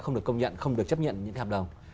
không được công nhận không được chấp nhận những hợp đồng